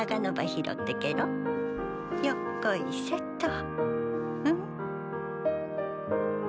よっこいせっとん？